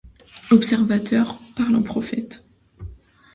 Observateur parle en prophète.